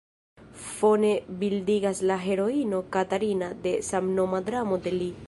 Fone bildigas la heroino "Katarina" de samnoma dramo de li.